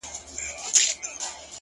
• يا الله تې راته ژوندۍ ولره؛